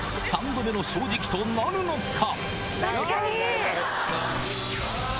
３度目の正直となるのか？